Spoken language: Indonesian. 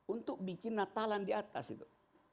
untuk bikin natalan di atas itu